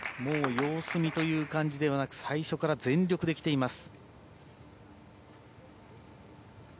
様子見という感じではなく最初から全力できています。